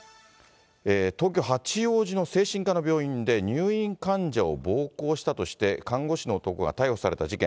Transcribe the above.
東京・八王子の精神科の病院で、入院患者を暴行したとして、看護師の男が逮捕された事件。